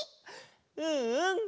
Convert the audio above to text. うんうん。